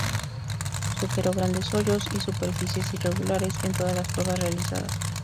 Superó grandes hoyos y superficies irregulares en todas las pruebas realizadas.